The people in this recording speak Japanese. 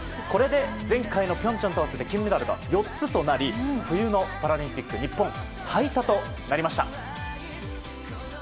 これで前回の平昌と合わせて金メダルが４つとなり、冬のパラリンピック日本最多となりました。